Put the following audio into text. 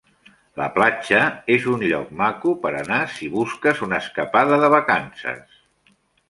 La Platja és un lloc maco per anar si busques una escapada de vacances.